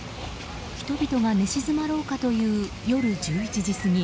人々が寝静まろうかという夜１１時過ぎ